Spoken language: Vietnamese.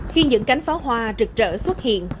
khi những cánh pháo hoa rực rỡ xuất hiện